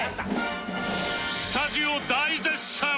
スタジオ大絶賛！